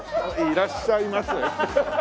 いらっしゃいませ。